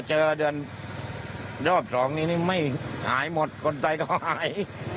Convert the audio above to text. เดือนรอบสองนี้นี่ไม่หายหมดคนไทยก็หาย